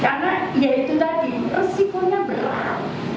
karena ya itu tadi resikonya berat